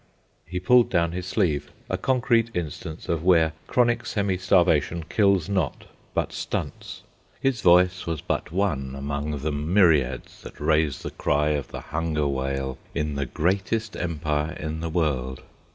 He pulled down his sleeve, a concrete instance of where chronic semi starvation kills not, but stunts. His voice was but one among the myriads that raise the cry of the hunger wail in the greatest empire in the world.